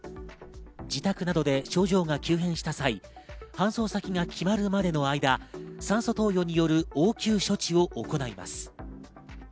自宅などで症状が急変した際、搬送先が決まるまでの間、酸素投与による応急処置を行います。